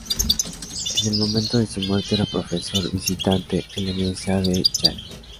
En el momento de su muerte era profesor visitante en la Universidad de Yale.